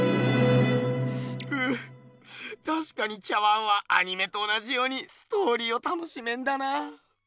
ううたしかに茶碗はアニメと同じようにストーリーを楽しめんだな。